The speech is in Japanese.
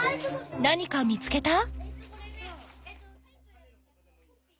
何か見つけた？